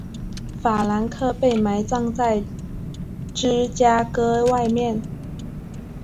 法兰克被埋葬在芝加哥外面的。